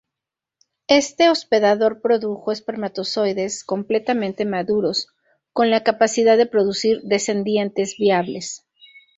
Este hospedador produjo espermatozoides completamente maduros con la capacidad de producir descendientes viables.